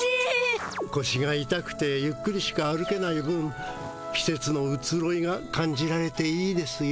こしがいたくてゆっくりしか歩けない分きせつのうつろいが感じられていいですよ。